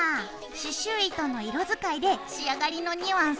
刺しゅう糸の色づかいで仕上がりのニュアンスが変わるよ。